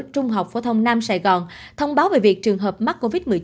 trung học phổ thông nam sài gòn thông báo về việc trường hợp mắc covid một mươi chín